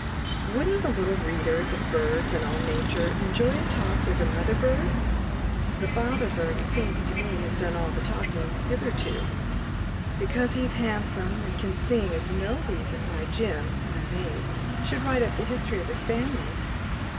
Wouldn't the little readers of BIRDS AND ALL NATURE enjoy a talk with a mother bird? The father bird, it seems to me, has done all the talking hitherto. Because he is handsome and can sing is no reason why Jim, my mate, should write up the history of his family.